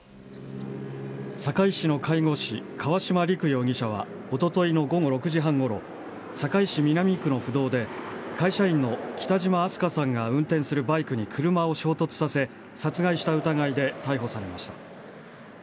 堺市の介護士川島陸容疑者はおとといの午後６時半ごろ、堺市南区の府道で、会社員の北島明日翔さんが運転するバイクに車を衝突させ、殺害した疑いで逮捕されました。